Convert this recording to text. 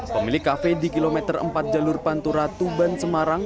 pemilik kafe di kilometer empat jalur pantura tuban semarang